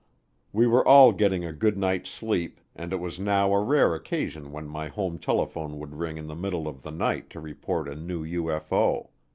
We were all getting a good night's sleep and it was now a rare occasion when my home telephone would ring in the middle of the night to report a new UFO.